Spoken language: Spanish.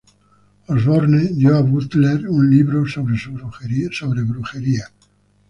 Osbourne dio a Butler, un libro sobre brujería.